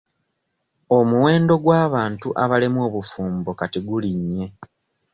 Omuwendo gw'abantu abalemwa obufumbo kati gulinnye.